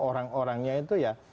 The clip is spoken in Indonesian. orang orangnya itu ya